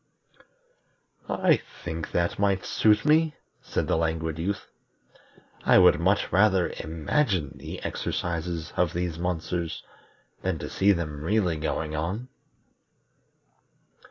"I think that might suit me," said the Languid Youth. "I would much rather imagine the exercises of these monsters than to see them really going on."